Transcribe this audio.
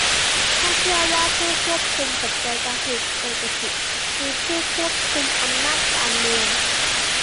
ถ้าเชื่อว่าผู้ควบคุมปัจจัยการผลิตเศรษฐกิจคือผู้ควบคุมอำนาจการเมือง